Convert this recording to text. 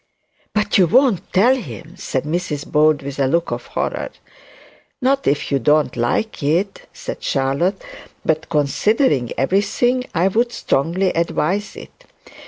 'But you won't tell him?' said Mrs Bold with a look of horror. 'Not if you don't like it,' said Charlotte; 'but considering everything, I would strongly advise it.